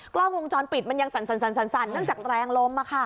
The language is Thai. กล้องโครงช้อนปิดมันยังสั่นนั่นจากแรงล้มมาค่ะ